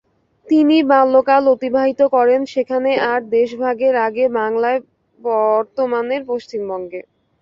তিনি বাল্যকাল অতিবাহিত করেন সেখানে আর দেশভাগের আগের বাংলায় বর্তমানের পশ্চিমবঙ্গে।